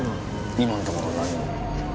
今のところは何も。